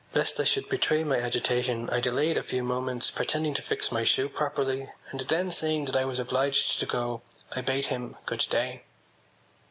Lest I should betray my agitation I delayed a few moments pretending to fix my shoe properly and then, saying that I was obliged to go, I bade him good day.